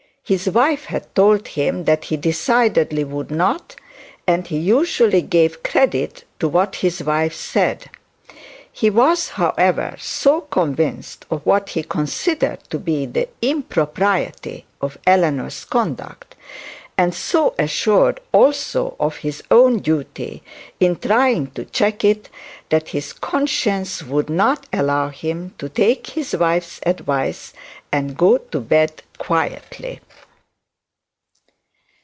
His wife had told him that he decidedly would not, and he usually gave credit to what his wife said. He was, however, so convinced of what he considered to be the impropriety of Eleanor's conduct, and so assured also of his own duty in trying to check it, that his conscience would not allow him to take his wife's advice and go to bed quietly.